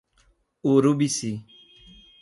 Urubici